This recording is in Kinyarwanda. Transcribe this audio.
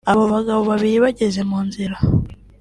Aba bagabo babiri bageze mu nzira